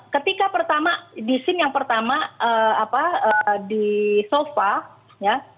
ketika pertama di scene yang pertama apa di sofa ya